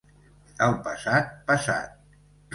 El passat, passat.